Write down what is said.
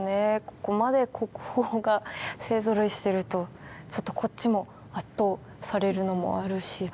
ここまで国宝が勢ぞろいしてるとちょっとこっちも圧倒されるのもあるし。